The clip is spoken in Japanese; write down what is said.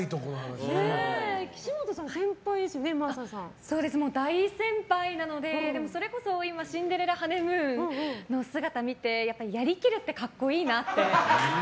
岸本アナは先輩ですよね大先輩なのででも、それこそ今「シンデレラ・ハネムーン」の姿を見てやりきるって格好いいなって。